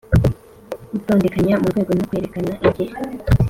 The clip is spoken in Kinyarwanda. gutondekanya murwego no kwerekana igihe.